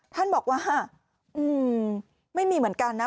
ท่านบอกว่าไม่มีเหมือนกันนะ